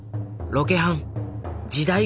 ロケハン時代